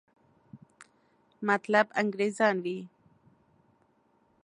مطلب انګریزان وي.